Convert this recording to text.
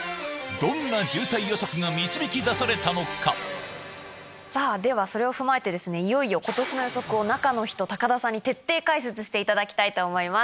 例年に比べではそれを踏まえていよいよ今年の予測を中の人田さんに徹底解説していただきたいと思います。